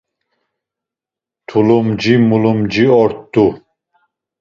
Tulumci mulumci ort̆u.